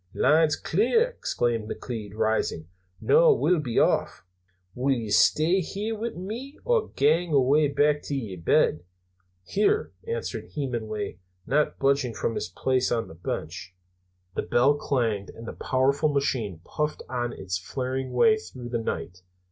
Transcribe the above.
"Line's clear," exclaimed McLeod, rising. "Noo we'll be off! Wull ye stay here wi' me, or gang awa' back to yer bed?" "Here," answered Hemenway, not budging from his place on the bench. The bell clanged, and the powerful machine puffed out on its flaring way through the night.